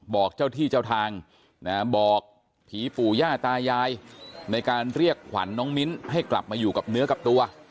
บอกเจ้าที่เจ้าทางบอกผีปู่ย่าตายายในการเรียกขวัญน้องมิ้นให้กลับมาอยู่กับเนื้อกับตัว